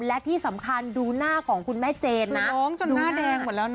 และที่สำคัญดูหน้าของคุณแม่เจนนะ